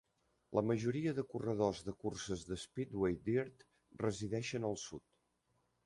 La majoria de corredors de curses de Speedway Dirt resideixen al sud.